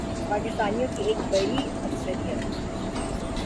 پاکستانیوں کی ایک بڑی اکثریت